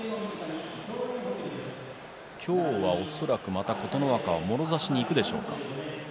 今日も恐らく琴ノ若はもろ差しでいくでしょうか。